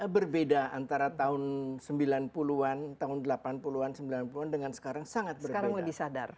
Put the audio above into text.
berbeda antara tahun sembilan puluh an tahun delapan puluh an sembilan puluh an dengan sekarang sangat sekarang lebih sadar